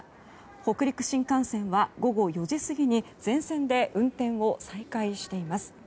北陸新幹線は午後４時過ぎに全線で運転を再開しています。